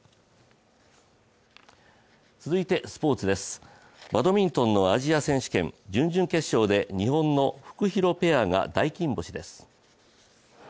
続いてスポーツです、バドミントンのアジア選手権、準々決勝で日本のフクヒロペアが大金星です。